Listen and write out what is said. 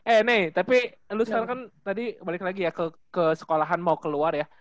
eh tapi lu sekarang kan tadi balik lagi ya ke sekolahan mau keluar ya